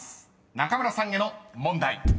中村さんへの問題］